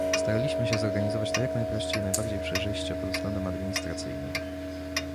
Staraliśmy się zorganizować to jak najprościej i najbardziej przejrzyście pod względem administracyjnym